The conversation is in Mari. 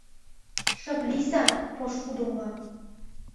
— Шып лийза, пошкудо-влак!